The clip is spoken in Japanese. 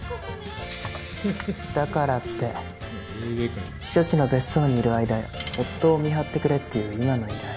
だからって避暑地の別荘にいる間夫を見張ってくれっていう今の依頼。